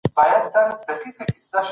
چې افغانستان تل سرلوړی وي.